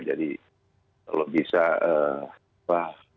jadi kalau bisa pak